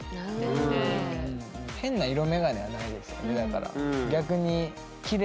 変な色眼鏡はないですよねだから。